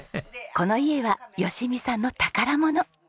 この家は淑美さんの宝物。